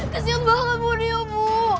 kesian banget dia bu